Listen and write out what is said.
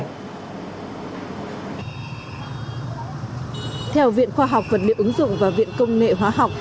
theo viện khoa học vật liệu ứng dụng và viện công nghệ hóa học